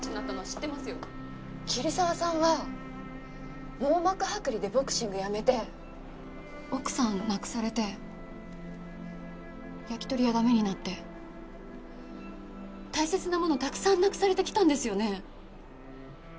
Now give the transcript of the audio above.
桐沢さんは網膜剥離でボクシングやめて奥さん亡くされて焼き鳥屋駄目になって大切なものをたくさんなくされてきたんですよね？